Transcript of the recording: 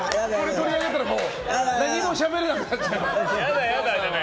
取り上げたら何もしゃべれなくなっちゃうから。